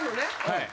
はい。